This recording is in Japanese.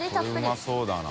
海うまそうだな。